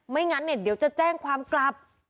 ไม่งั้นเดี๋ยวจะแจ้งความกลับ